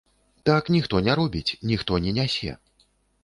Так ніхто не робіць, ніхто не нясе.